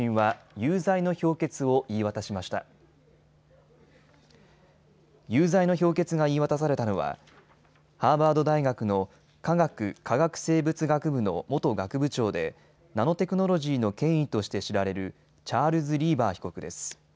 有罪の評決が言い渡されたのはハーバード大学の化学・化学生物学部の元学部長でナノテクノロジーの権威として知られるチャールズ・リーバー被告です。